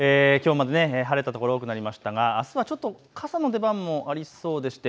きょうも晴れた所が多くなりましたがあすはちょっと傘の出番もありそうです。